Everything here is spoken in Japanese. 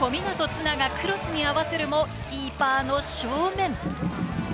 絆がクロスに合わせるも、キーパーの正面。